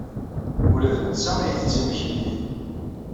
Ula d netta ittett imekli din.